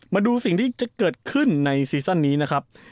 มาดูสิ่งที่จะเกิดขึ้นในซีซั่นนี้นะครับ